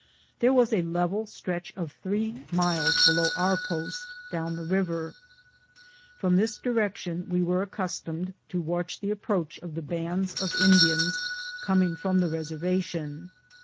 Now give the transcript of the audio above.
There was a level stretch of three miles below our post down the river. From this direction we were accustomed to watcb the approach of the bands of Indians coming from the reservation.